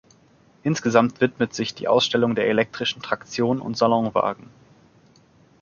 Insgesamt widmet sich die Ausstellung der elektrischen Traktion und Salonwagen.